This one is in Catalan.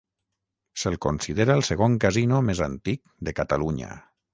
Se'l considera el segon casino més antic de Catalunya.